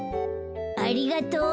ありがとう。